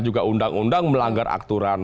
juga undang undang melanggar aturan